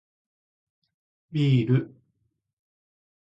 ビール